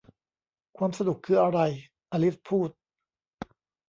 'ความสนุกคืออะไร ?' อลิซพูด